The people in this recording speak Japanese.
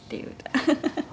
ハハハハ！」